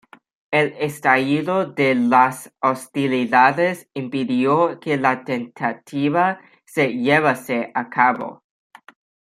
El estallido de las hostilidades impidió que la tentativa se llevase a cabo.